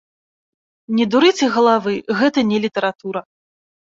Не дурыце галавы, гэта не літаратура!